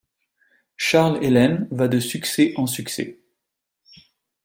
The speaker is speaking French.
Charles Elaine va de succès en succès.